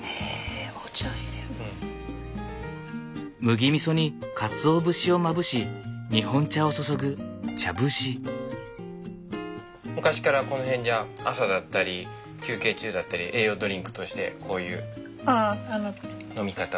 麦みそにかつお節をまぶし日本茶を注ぐ昔からこの辺じゃ朝だったり休憩中だったり栄養ドリンクとしてこういう飲み方を。